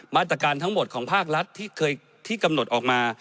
มาตรการทั้งหมดของภาครัฐที่เคยที่กำหนดออกมา